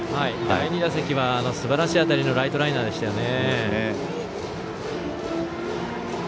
第２打席はすばらしい当たりのライトライナーでしたね。